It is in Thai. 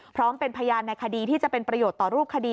พร้อมเป็นพยานในคดีที่จะเป็นประโยชน์ต่อรูปคดี